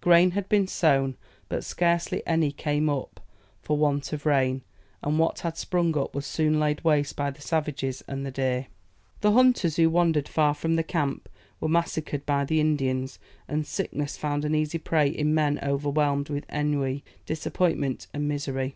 Grain had been sown; but scarcely any came up for want of rain, and what had sprung up was soon laid waste by the savages and the deer. The hunters who wandered far from the camp were massacred by the Indians, and sickness found an easy prey in men overwhelmed with ennui, disappointment, and misery.